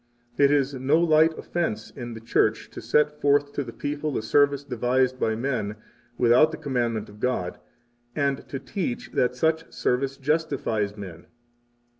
48 It is no light offense in the Church to set forth to the people a service devised by men, without the commandment of God, and to teach that such service justifies men.